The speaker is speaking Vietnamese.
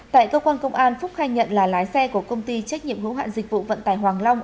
tại cơ quan công an phúc khai nhận là lái xe của công ty trách nhiệm hữu hạn dịch vụ vận tải hoàng long